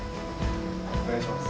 お願いします。